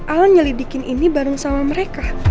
alan nyelidikin ini bareng sama mereka